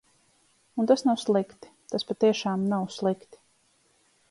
Un tas nav slikti, tas patiešām nav slikti.